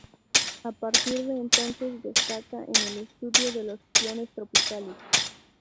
A partir de entonces destaca en el estudio de los ciclones tropicales.